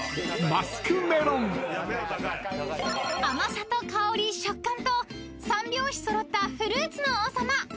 ［甘さと香り食感と三拍子揃ったフルーツの王様］